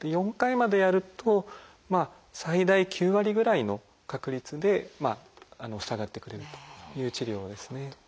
４回までやると最大９割ぐらいの確率で塞がってくれるという治療ですね。